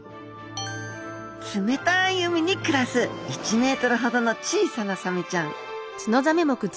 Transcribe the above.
冷たい海に暮らす１メートルほどの小さなサメちゃん。